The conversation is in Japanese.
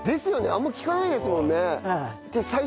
あんま聞かないですもんね。